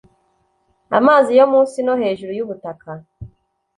amazi yo munsi no hejuru y ubutaka